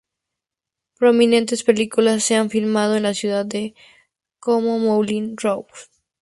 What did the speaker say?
Prominentes películas se han filmado en la ciudad, como "Moulin Rouge!